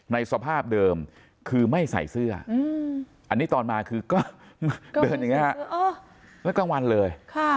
ในสภาพเดิมคือไม่ใส่เสื้ออันนี้ตอนมาคือก็มันก็เห็นอย่างงี้มากกว่างวานเลย